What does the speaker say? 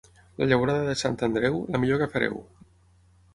La llaurada de Sant Andreu, la millor que fareu.